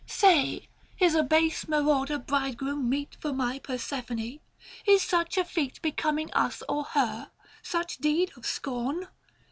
670 Say, is a base marauder bridegroom meet For my Persephone ? Is such a feat Becoming us or her — such deed of scorn